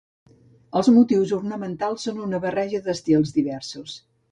Els motius ornamentals són una barreja d'estils diversos.